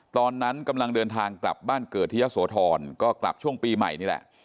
ตอนนั้นกำลังเดินทางกลับบ้านเกิดที่ยะโสธรก็กลับช่วงปีใหม่นี่แหละ